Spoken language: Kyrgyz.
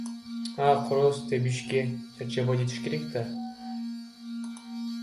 А короз тебишке чарчабай жетиши керек.